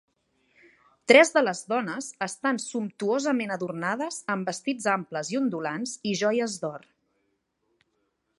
Tres de les dones estan sumptuosament adornades amb vestits amples i ondulants i joies d'or.